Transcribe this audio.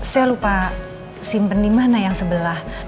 saya lupa simpen di mana yang sebelah